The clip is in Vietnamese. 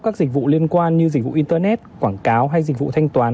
các dịch vụ liên quan như dịch vụ internet quảng cáo hay dịch vụ thanh toán